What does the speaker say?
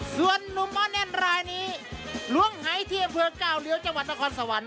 ส่วนนุมอแน่นรายนี้ล้วงหายเที่ยงหึเปิก๙เลือกจังหวัดตระคอร์รสวรรค์